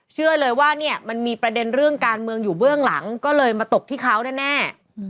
เชื่อเลยว่าเนี่ยมันมีประเด็นเรื่องการเมืองอยู่เบื้องหลังก็เลยมาตกที่เขาแน่